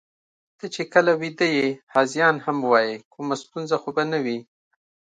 ته چې کله ویده یې، هذیان هم وایې، کومه ستونزه خو به نه وي؟